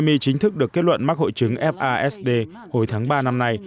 my chính thức được kết luận mắc hội chứng fasd hồi tháng ba năm nay